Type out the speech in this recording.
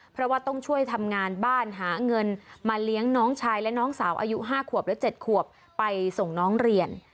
ไปทำงานบ้านหาเงินมาเลี้ยงน้องชายและน้องสาวอายุ๕ขวบและ๗ขวบไปส่งน้องเรียน